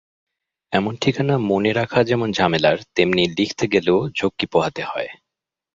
এমন ঠিকানা মনে রাখা যেমন ঝামেলার, তেমনি লিখতে গেলেও ঝক্কি পোহাতে হয়।